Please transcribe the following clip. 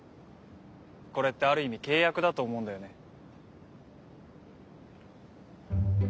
これってある意味契約だと思うんだよね